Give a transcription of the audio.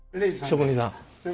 職人さん。